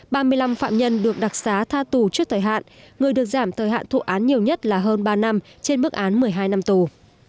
ba mươi năm phạm nhân được đặc xá tha tù trước thời hạn người được giảm thời hạn thụ án nhiều nhất là hơn ba năm trên bức án một mươi hai năm tù